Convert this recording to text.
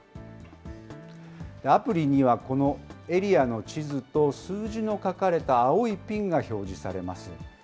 アプリにはこのエリアの地図と、数字の書かれた青いピンが表示されます。